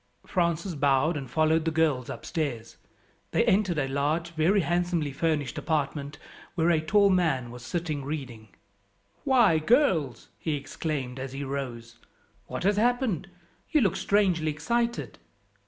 Francis bowed and followed the girls upstairs. They entered a large, very handsomely furnished apartment where a tall man was sitting reading. "Why, girls," he exclaimed as he rose, "what has happened? you look strangely excited.